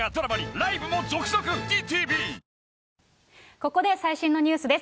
ここで最新のニュースです。